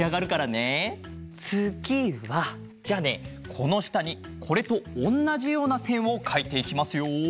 このしたにこれとおんなじようなせんをかいていきますよ。